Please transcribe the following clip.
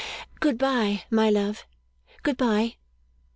Good bye, my love! Good bye!